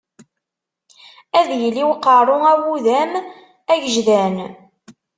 Ad yili uqerru awudam agejdan.